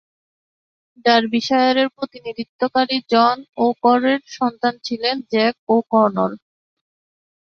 ডার্বিশায়ারের প্রতিনিধিত্বকারী জন ও’কনরের সন্তান ছিলেন জ্যাক ও’কনর।